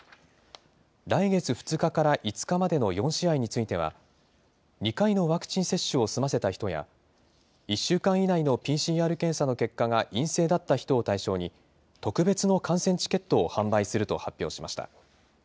来月２日から５日までの４試合については、２回のワクチン接種を済ませた人や、１週間以内のＰＣＲ検査の結果が陰性だった人を対象に、特別の観戦チケットを販売すると発表しました。